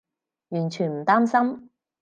完全唔擔心